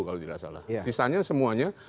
kalau tidak salah sisanya semuanya